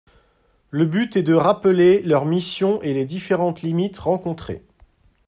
Le but est de rappeler leurs missions et les différentes limites rencontrées